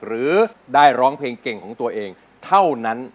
หรือได้ร้องเพลงเก่งของตัวเองเท่านั้น